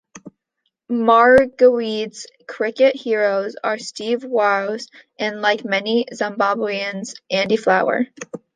Maregwede's cricket heroes are Steve Waugh, and like many Zimbabweans, Andy Flower.